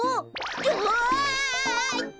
うわっと！